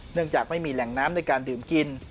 จากไม่มีแหล่งน้ำในการดื่มกิน